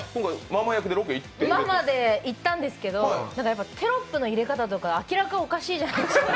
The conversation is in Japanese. ママで行ったんですけど、テロップの感じが明らかおかしいじゃないですか。